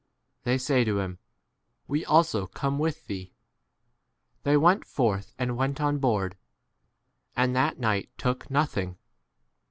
They say to him, We * also come with thee. They went forth and went on board, 1 and that 4 night took nothing.